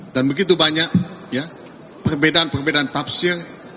dan begitu banyak perbedaan perbedaan tafsir